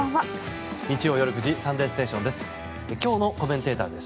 日曜夜９時「サンデーステーション」です。